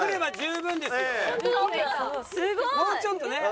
もうちょっとね。